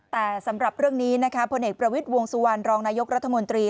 แต่สำหรับเรื่องนี้นะคะพลเอกประวิทย์วงสุวรรณรองนายกรัฐมนตรี